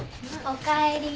おかえり。